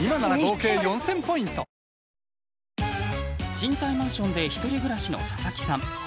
賃貸マンションで１人暮らしの佐々木さん。